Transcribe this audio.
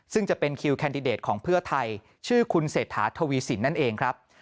ซึ่งจะเป็นคิวแคนดิเดตของเพื่อไทยชื่อคุณเศรษฐาทวีสินนั่นเองครับ